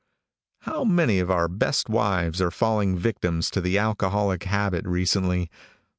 How many of our best wives are falling victims to the alcoholic habit recently!